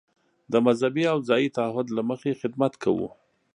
د مذهبي او ځايي تعهد له مخې خدمت کوو.